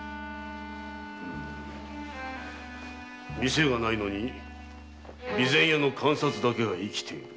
店がないのに備前屋の鑑札だけが生きている。